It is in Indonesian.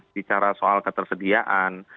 bicara soal ketersediaan